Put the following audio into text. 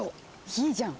いいじゃん！